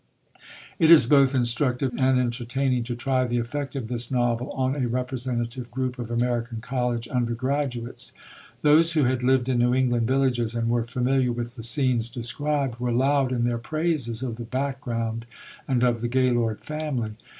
It is both instructive and entertaining to try the effect of this novel on a representative group of American college undergraduates. Those who had lived in New England villages, and were familiar with the scenes described, were loud in their praises of the background, and of the Gaylord family.